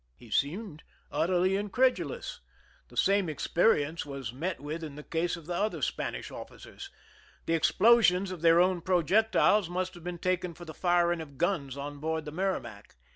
He seemed utterly incredulous. The same ex perience was met with in the case of the other Spanish officers. The explosions of their own pro jectiles must have been taken for the firing of guns on board the Merrimac.